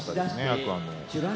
天空海も。